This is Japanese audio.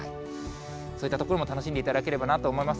そういったところも楽しんでいただければなと思います。